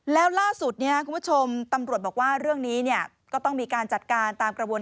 แล้วล่าสุดคุณผู้ชมตำรวจบอกว่าเรื่องนี้เนี่ย